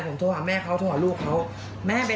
นะครับ